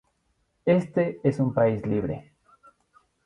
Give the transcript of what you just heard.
Este es un país libre.